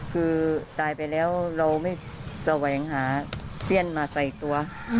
คือตายไปแล้วเราไม่แสวงหาเสี้ยนมาใส่ตัว